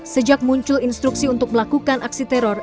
sejak muncul instruksi untuk melakukan aksi teror